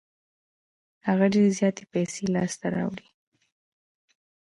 هغه ډېرې زياتې پیسې لاس ته راوړې.